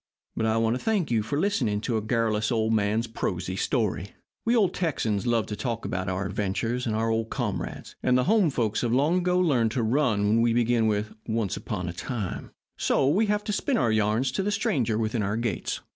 But I want to thank you for listening to a garrulous old man's prosy story. We old Texans love to talk about our adventures and our old comrades, and the home folks have long ago learned to run when we begin with 'Once upon a time,' so we have to spin our yarns to the stranger within our gates."